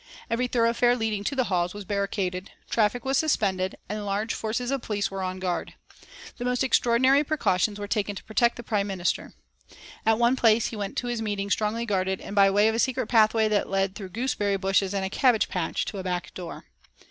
Every thoroughfare leading to the halls was barricaded, traffic was suspended, and large forces of police were on guard. The most extraordinary precautions were taken to protect the Prime Minister. At one place he went to his meeting strongly guarded and by way of a secret pathway that led through gooseberry bushes and a cabbage patch to a back door.